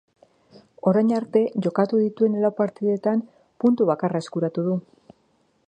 Orain arte jokatu dituen lau partidetan puntu bakarra eskuratu du.